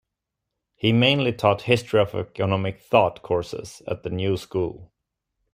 He mainly taught History of Economic Thought courses at the New School.